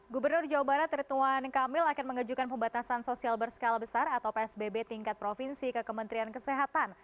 gubernur jawa barat rituan kamil akan mengejukan pembatasan sosial berskala besar atau psbb tingkat provinsi ke kementerian kesehatan